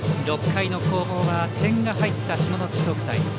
６回の攻防は点が入った下関国際。